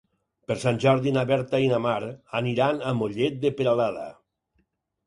Per Sant Jordi na Berta i na Mar aniran a Mollet de Peralada.